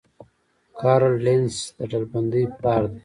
کارل لینس د ډلبندۍ پلار دی